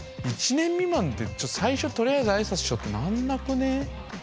１年未満で最初とりあえず挨拶しようってなんなくね？